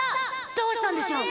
どうしたんでしょう？